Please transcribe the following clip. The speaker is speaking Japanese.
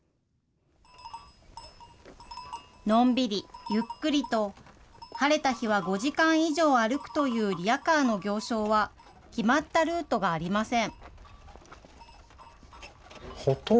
のんびりゆっくりと、晴れた日は５時間以上歩くというリヤカーの行商は決まったルートがありません。